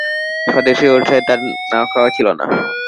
স্বদেশীর উৎসাহে তার নাওয়া-খাওয়া ছিল না।